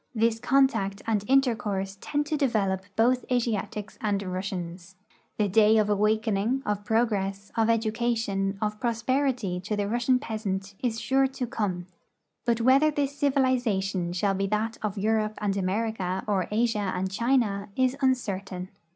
This contact and intercourse tend to develop both Asiatics and Russians. The day of awakening, of progress, of education, of prosperity to the Russian peasant is sure to come ; but whether this civilization shall be that of Europe and America or Asia and China is uncertain.